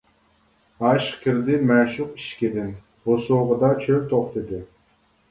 ئاشىق كىردى مەشۇق ئىشىكىدىن، بوسۇغىدا چۆل توختىدى.